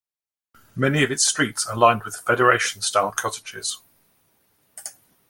Many of its streets are lined with Federation style cottages.